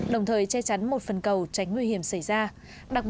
đồng thời che chắn một phần cầu tránh nguy hiểm xảy ra